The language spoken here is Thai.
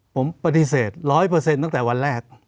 ผมปฏิเสธ๑๐๐ตั้งแต่วันแรก